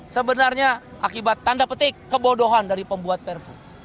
sebenarnya akibat tanda petik kebodohan dari pembuat perpu